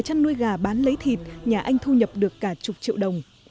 chăn nuôi gà bán lấy thịt nhà anh thu nhập được cả chục triệu đồng